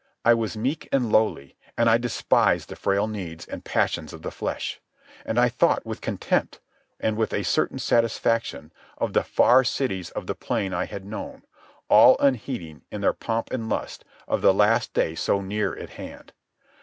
I was meek and lowly, and I despised the frail needs and passions of the flesh. And I thought with contempt, and with a certain satisfaction, of the far cities of the plain I had known, all unheeding, in their pomp and lust, of the last day so near at hand.